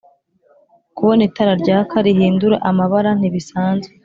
kubona itara ryaka rihindura amabara ntibisanzwe.